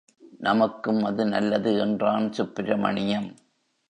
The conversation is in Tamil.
நமக்கும் அது நல்லது! என்றான் சுப்பிரமணியம்.